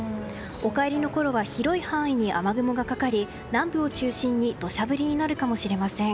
お帰りのころは、広い範囲に雨雲がかかり南部を中心に土砂降りになるかもしれません。